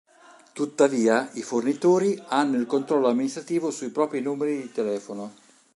Tuttavia, i fornitori hanno il controllo amministrativo sui propri numeri di telefono.